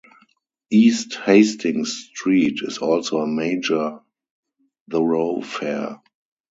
East Hastings Street is also a major thoroughfare.